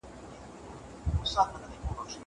زه مخکي انځورونه رسم کړي وو!